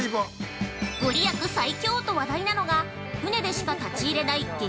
◆ご利益最強と話題なのが船でしか立ち入れない激